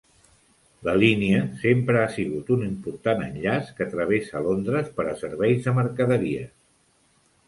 La línia sempre ha sigut un important enllaç que travessa Londres per a serveis de mercaderies.